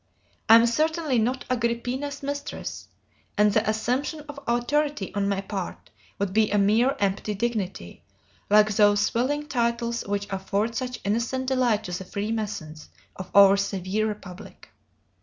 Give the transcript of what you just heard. I am certainly not Agrippina's mistress, and the assumption of authority on my part would be a mere empty dignity, like those swelling titles which afford such innocent delight to the Freemasons of our severe republic.